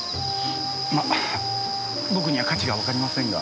まっ僕には価値がわかりませんが。